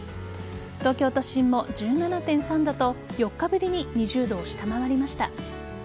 東京都心も１７．３度と４日ぶりに２０度を下回りました。